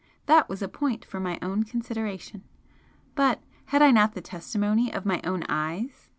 That was a point for my own consideration! But, had I not the testimony of my own eyes?